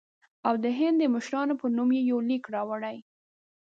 او د هند د مشرانو په نوم یې یو لیک راوړی.